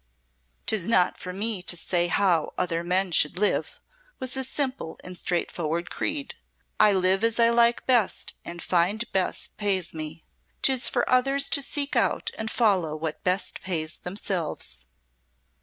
"'Tis not for me to say how other men should live," was his simple and straightforward creed. "I live as I like best and find best pays me. 'Tis for others to seek out and follow what best pays themselves."